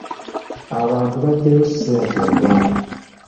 Abantu bagyayo ssente ntono.